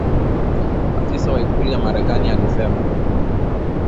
afisa wa ikulu ya Marekani alisema